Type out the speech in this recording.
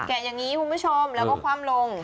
อย่างนี้คุณผู้ชมแล้วก็คว่ำลง